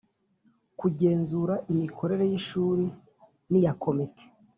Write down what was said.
kugenzura imikorere y ishuri n iya Komite